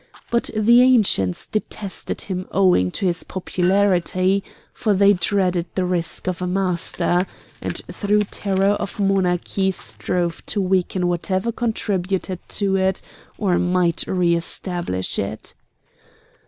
But the Ancients detested him owing to his popularity; for they dreaded the risk of a master, and through terror of monarchy strove to weaken whatever contributed to it or might re establish it.